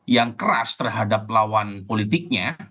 yang keras terhadap lawan politiknya